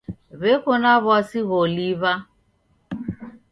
W'eko na w'asi gholiw'a.